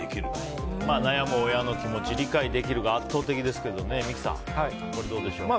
悩む親の気持ち、理解できるが圧倒的ですけどね、三木さんどうでしょうか？